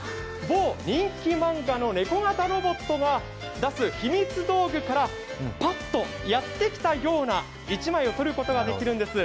某人気漫画の猫型ロボットが出す秘密道具からパッとやってきたような１枚を撮ることができるんです。